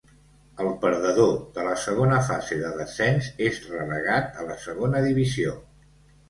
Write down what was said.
El perdedor de la segona fase de descens és relegat a la segona divisió.